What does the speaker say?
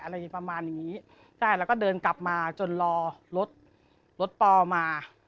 อะไรอย่างนี้ประมาณนี้แล้วก็เดินกลับมาจนรอรถรถปอล์มา